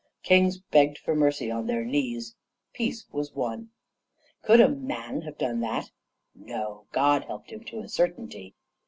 Kings begged for mercy on their knees! Peace was won. "Could a man have done that? No; God helped him, to a certainty!